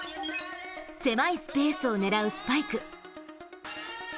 狭いスペースを狙うスパイク。